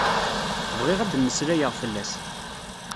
Bɣiɣ ad d-mmeslayeɣ fell-as.